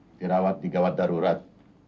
dirawat di gawat darurat